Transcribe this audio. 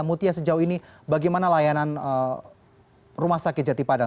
mutia sejauh ini bagaimana layanan rumah sakit jatipadang